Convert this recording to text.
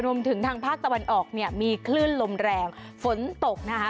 รวมถึงทางภาคตะวันออกเนี่ยมีคลื่นลมแรงฝนตกนะคะ